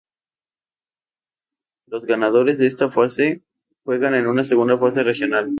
Los ganadores de esta fase juegan en una segunda fase regional.